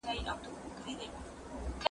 زه کتابونه نه ليکم؟؟